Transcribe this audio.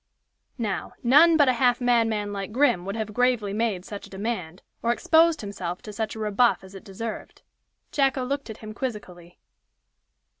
Now, none but a half madman like Grim would have gravely made such a demand, or exposed himself to such a rebuff as it deserved. Jacko looked at him quizzically.